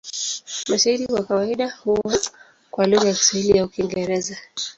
Mashairi kwa kawaida huwa kwa lugha ya Kiswahili au Kiingereza.